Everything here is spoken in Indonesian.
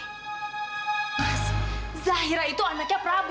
mas zahira itu anaknya prabu